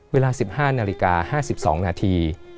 เวลา๑๕นาฬิกา๕๒นาที